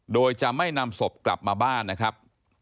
โดยจะไม่นำศพกลับมาบ้านนะครับ